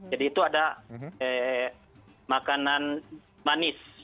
jadi itu ada makanan manis